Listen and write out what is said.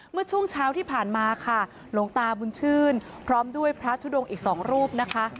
เมื่อช่วงเช้าที่ผ่านมาค่ะหลวงตาบุญชื่นพร้อมด้วยพระทุดงอีกสองรูปนะคะ